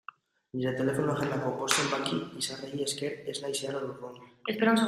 Nire telefono-agendako bost zenbaki izarrei esker ez naiz zeharo lurrundu.